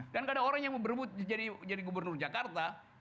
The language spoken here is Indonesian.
dan nggak ada orang yang mau berebut jadi gubernur jakarta